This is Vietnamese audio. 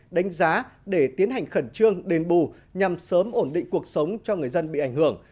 đánh giá để tiến hành khẩn trương đền bù nhằm sớm ổn định cuộc sống cho người dân bị ảnh hưởng